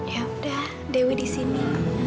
ya udah dewi di sini